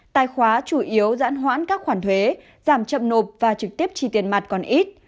tài khóa chủ yếu giãn hoãn các khoản thuế giảm chậm nộp và trực tiếp chi tiền mặt còn ít